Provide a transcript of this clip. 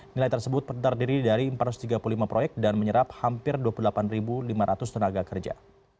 nilai tersebut terdiri dari empat ratus tiga puluh lima proyek dan menyerap hampir dua puluh delapan lima ratus tenaga kerja